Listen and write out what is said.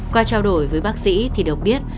qua trao đổi với bác sĩ thì được biết